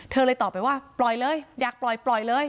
เธอเลยตอบไปว่าปล่อยเลยอยากปล่อยปล่อยเลย